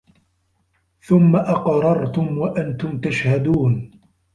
ثُمَّ أَقْرَرْتُمْ وَأَنْتُمْ تَشْهَدُونَ